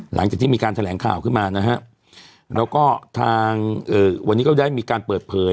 หลังจากที่มีการแถลงข่าวขึ้นมานะฮะแล้วก็ทางวันนี้ก็ได้มีการเปิดเผย